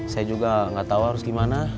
saya juga gak tau harus gimana